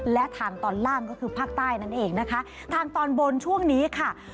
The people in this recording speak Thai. และทางตอนล่างก็คือภาคใต้นั่นเองนะคะทางตอนบนช่วงนี้ค่ะ